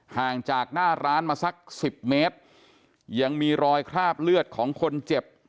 ห่างจากหน้าร้านมาสักสิบเมตรยังมีรอยคราบเลือดของคนเจ็บ